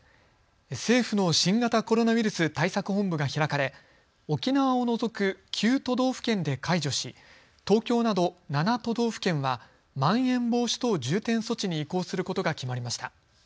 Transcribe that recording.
政府の新型コロナウイルス対策本部が開かれ沖縄を除く９都道府県で解除し東京など７都道府県はまん延防止等重点措置に移行することが決まりました。